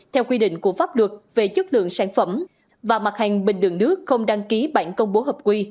theo quy định của pháp luật về chất lượng sản phẩm và mặt hàng bình đường nước không đăng ký bản công bố hợp quy